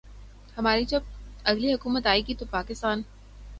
ہماری جب اگلی حکومت آئے گی تو پاکستان